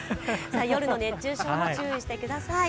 夜の熱中症にも注意してください。